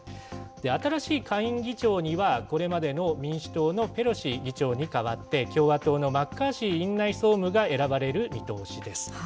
新しい下院の議長には、これまでの民主党のペロシ議長に代わって、共和党のマッカーシー院内総務が選ばれる見通しです。